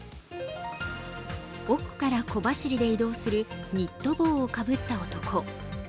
奥から小走りで移動するニット帽をかぶった男。